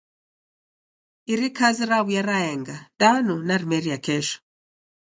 Iri kazi rawuya raenga danu narimeria kesho.